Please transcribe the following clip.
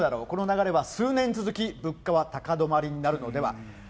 この流れは数年続き、物価は高止まりになるのでは。